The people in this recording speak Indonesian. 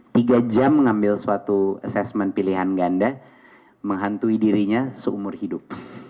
tiga jam mengambil suatu assessment pilihan ganda menghantui dirinya seumur hidup